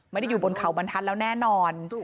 ไม่ได้อยู่บนเข่าบนธันแล้วแน่นอน